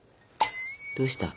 どうした？